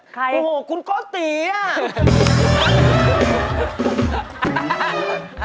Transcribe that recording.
ใครโอ้โฮคุณกติอะ